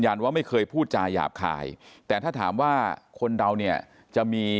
ว่าไม่เคยพูดจาหยาบคายแต่ถ้าถามว่าคนเราเนี่ยจะมี